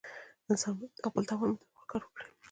انسان باید د خپل توان مطابق کار وکړي.